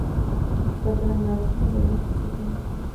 بدرنګه عکسونه د ذهن سکون اخلي